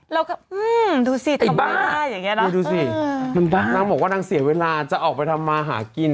เรายังบอกว่านางเสียเวลาจะออกไปทำมาหากิน